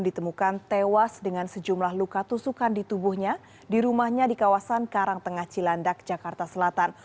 ditemukan tewas dengan sejumlah luka tusukan di tubuhnya di rumahnya di kawasan karangtengah cilandak jakarta selatan